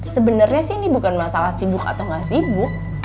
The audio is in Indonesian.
sebenernya sih ini bukan masalah sibuk atau gak sibuk